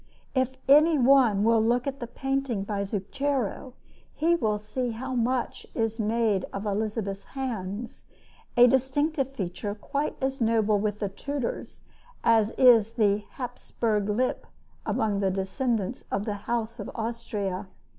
If any one will look at the painting by Zucchero he will see how much is made of Elizabeth's hands a distinctive feature quite as noble with the Tudors as is the "Hapsburg lip" among the descendants of the house of Austria.